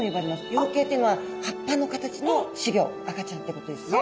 葉形っていうのは葉っぱの形の仔魚赤ちゃんってことですね。